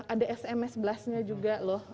ada sms blast nya juga loh